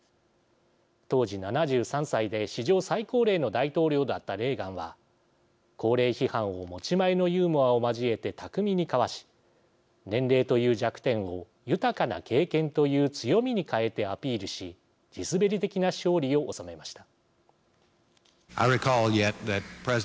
当時７３歳で史上最高齢の大統領だったレーガンは高齢批判を持ち前のユーモアを交えて巧みにかわし年齢という弱点を豊かな経験という強みに変えてアピールし地滑り的な勝利を収めました。